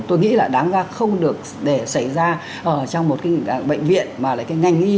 tôi nghĩ là đáng ra không được để xảy ra ở trong một cái bệnh viện mà lại cái ngành y